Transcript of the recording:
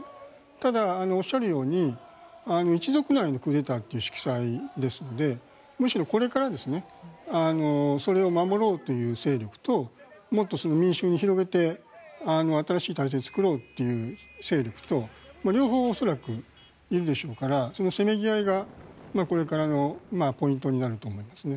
ただ、おっしゃるように一族内のクーデターという色彩ですのでむしろこれからそれを守ろうという勢力ともっと民衆に広めて新しい体制を作ろうという勢力と両方、恐らくいるでしょうからそのせめぎ合いがこれからのポイントになると思いますね。